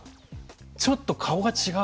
ちょっと顔が違う。